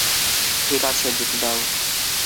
ঠিক আছে, যেতে দাও।